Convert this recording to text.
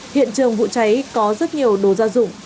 hiện trường vụ cháy có rất nhiều đồ gia dụng